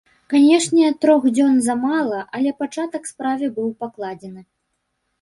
Канечне, трох дзён замала, але пачатак справе быў пакладзены.